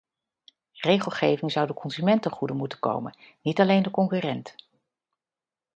Regelgeving zou de consument ten goede moeten komen, niet alleen de concurrent.